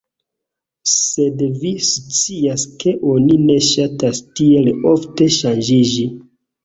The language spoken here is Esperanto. Sed vi scias ke oni ne ŝatas tiel ofte ŝanĝiĝi.